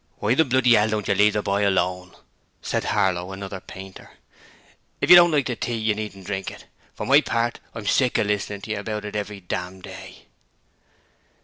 'Why the bloody 'ell don't you leave the boy alone?' said Harlow, another painter. 'If you don't like the tea you needn't drink it. For my part, I'm sick of listening to you about it every damn day.'